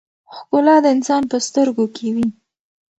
ښکلا د انسان په سترګو کې وي.